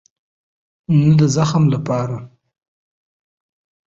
نه د زحمت لپاره.